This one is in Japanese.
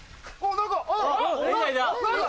何か。